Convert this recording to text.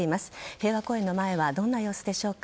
平和公園の前はどんな様子でしょうか。